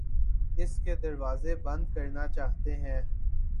اس کے دروازے بند کرنا چاہتے ہیں